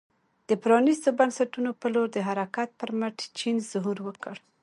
د پرانیستو بنسټونو په لور د حرکت پر مټ چین ظهور وکړ.